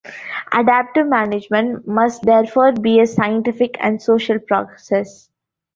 Adaptive management must therefore be a scientific and social process.